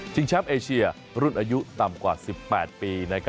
เช่งแช็มเอเชียร์รุ่นอายุต่ำกว่า๑๘ปี